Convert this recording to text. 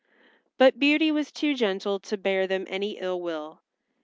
But Beauty was too gentle to bear them any ill will.